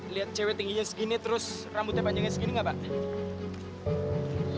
lihat cewek tingginya segini rambutnya segini gak